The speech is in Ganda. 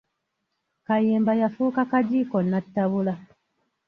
Kayemba yafuuka kagiiko nnattabula.